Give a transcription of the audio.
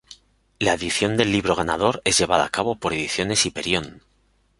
La edición del libro ganador es llevada a cabo por Ediciones Hiperión.